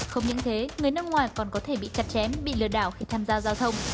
không những thế người nước ngoài còn có thể bị chặt chém bị lừa đảo khi tham gia giao thông